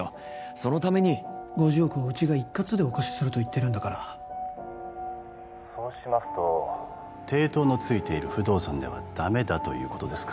そのために５０億をうちが一括でお貸しすると言ってるんだからそうしますと抵当のついている不動産ではダメだということですか？